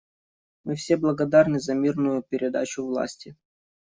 Мы все благодарны за мирную передачу власти.